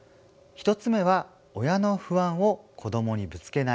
１つ目は親の不安を子どもにぶつけないこと。